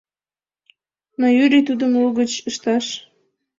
Но Юрий тудым лугыч ыштыш.